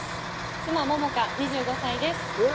妻・百花２５歳ですうわ